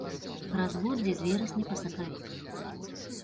Разводдзе з верасня па сакавік.